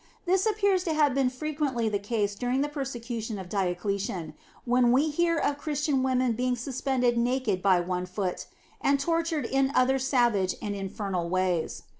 This appears to have been frequently the case during the persecution of Diocletian, when we hear of Christian women being suspended naked by one foot, and tortured in other savage and infernal ways.